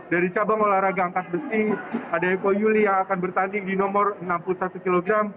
dari cabang olahraga angkat besi ada eko yuli yang akan bertanding di nomor enam puluh satu kg